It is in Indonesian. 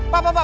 pak pak pak